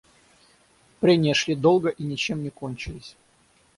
Прения шли долго и ничем не кончились.